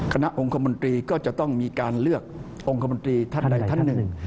องค์คมนตรีก็จะต้องมีการเลือกองค์คมนตรีท่านใดท่านหนึ่ง